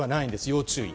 要注意。